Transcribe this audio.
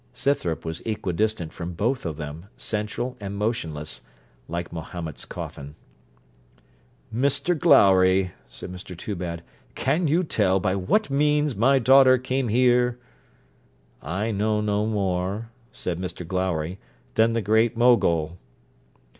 Scythrop was equidistant from both of them, central and motionless, like Mahomet's coffin. 'Mr Glowry,' said Mr Toobad, 'can you tell by what means my daughter came here?' 'I know no more,' said Mr Glowry, 'than the Great Mogul.'